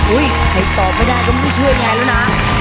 อุ้ยใครตอบไม่ได้ก็ไม่ช่วยยังไงล่ะนะ